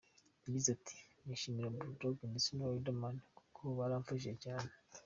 Yagize ati “Nashimira Bull Dogg ndetse na Riderman kuko baramfashije cyane.